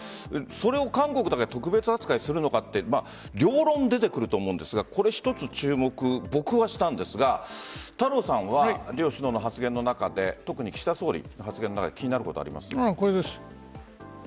それを韓国とか特別扱いするのかって両論出てくると思うんですがこれ一つ、注目僕はしたんですが太郎さんは両首脳の発言の中で特に岸田総理の発言の中でこれです。